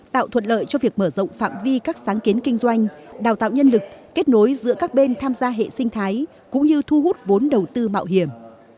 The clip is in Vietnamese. tạo thuận lợi cho việc mở rộng phạm vi các sáng kiến kinh doanh đào tạo nhân lực kết nối giữa các bên tham gia hệ sinh thái cũng như thu hút vốn đầu tư mạo hiểm